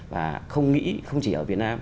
và không nghĩ không chỉ ở việt nam